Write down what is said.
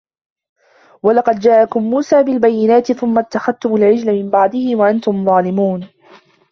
وَلَقَدْ جَاءَكُمْ مُوسَى بِالْبَيِّنَاتِ ثُمَّ اتَّخَذْتُمُ الْعِجْلَ مِنْ بَعْدِهِ وَأَنْتُمْ ظَالِمُونَ